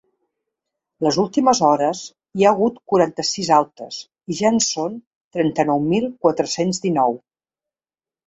Les últimes hores hi ha hagut quaranta-sis altes i ja en són trenta-nou mil quatre-cents dinou.